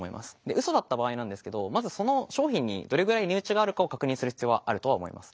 ウソだった場合なんですけどまずその商品にどれぐらい値打ちがあるかを確認する必要はあるとは思います。